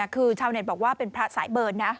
คือชาวเน็ตบอกว่าเป็นพระสายเบิร์นนะ